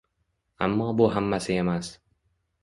Ammo bu hammasi emas –